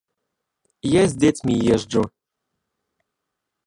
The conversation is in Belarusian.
Я з дзецьмі езджу.